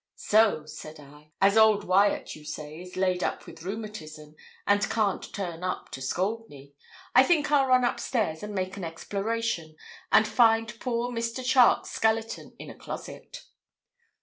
'So,' said I, 'as old Wyat, you say, is laid up with rheumatism, and can't turn up to scold me, I think I'll run up stairs and make an exploration, and find poor Mr. Charke's skeleton in a closet.'